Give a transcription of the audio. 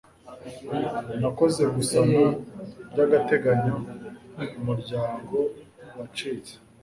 Nakoze gusana by'agateganyo umuryango wacitse.